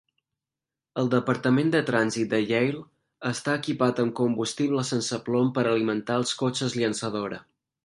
El departament de trànsit de Yale està equipat amb combustible sense plom per alimentar els cotxes llançadora.